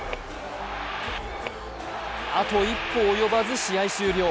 あと一歩及ばず試合終了。